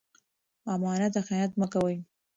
امانت ته خیانت مه کوئ.